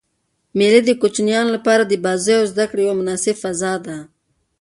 مېلې د کوچنيانو له پاره د بازيو او زدکړي یوه مناسبه فضا ده.